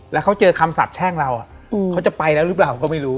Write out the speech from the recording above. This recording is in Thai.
แล้วเขาเจอคำสาบแช่งเราเขาจะไปแล้วหรือเปล่าก็ไม่รู้